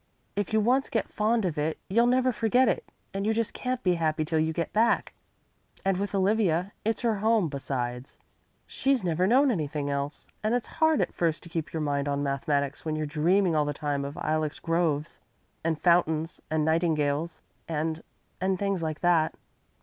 If you once get fond of it you'll never forget it, and you just can't be happy till you get back. And with Olivia it's her home, besides. She's never known anything else. And it's hard at first to keep your mind on mathematics when you're dreaming all the time of ilex groves and fountains and nightingales and and things like that."